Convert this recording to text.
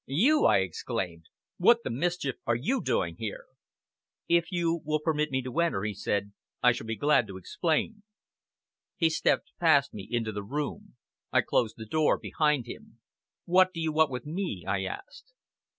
"You!" I exclaimed; "what the mischief are you doing here?" "If you will permit me to enter," he said, "I shall be glad to explain." He stepped past me into the room. I closed the door behind him. "What do you want with me?" I asked.